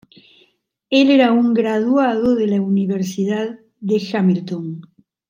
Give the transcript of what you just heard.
Él era un graduado de la universidad de Hamilton.